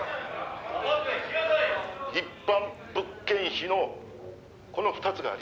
「一般物件費のこの２つがあり」